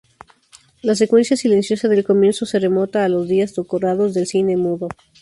La secuencia silenciosa del comienzo se remonta a los días dorados del cine mudo.